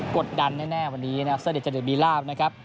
กดดันแน่วันนี้นะครับเส้นเด็ดมีราบนะครับ